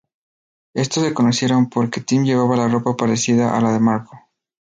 Estos se conocieron porque Tim llevaba la ropa parecida a la de Marko.